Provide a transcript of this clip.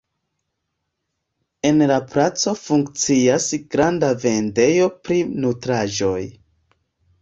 En la placo funkcias granda vendejo pri nutraĵoj.